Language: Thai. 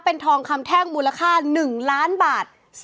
เป็นทองคำแท่งมูลค่า๑ล้านบาท